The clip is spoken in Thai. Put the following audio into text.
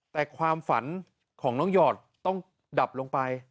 แต่ความฝันของน้องหยอดต้องดับลงไป